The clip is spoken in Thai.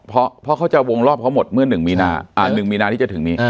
เพราะเขาจะวงรอบเขาหมดเมื่อ๑มีนาที่จะถึงนี้